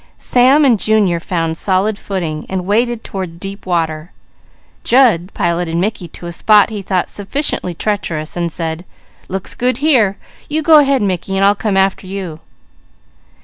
Sam and Junior found solid footing, and waded toward deep water. Jud piloted Mickey to a spot he thought sufficiently treacherous, and said: "Looks good here; you go ahead Mickey, and I'll come after you."